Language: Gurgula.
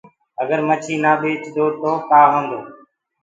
اگر مڇي نآ ٻيچدو تو ڪآ هوندو